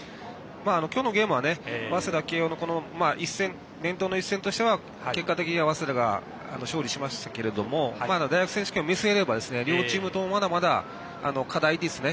今日のゲームは早稲田、慶応の伝統の一戦としては結果的には早稲田が勝利しましたけれども大学選手権を見据えれば両チームともまだまだ課題ですね。